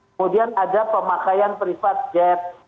kemudian ada pemakaian privat jep